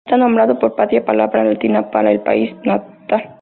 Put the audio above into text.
Está nombrado por Patria, palabra latina para el país natal.